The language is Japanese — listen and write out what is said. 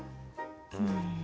うん。